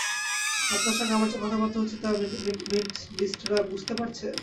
আপনার সঙ্গে আমার যে কথাবার্তা হচ্ছে তা মেন্টলিস্টরা বুঝতে পারছে?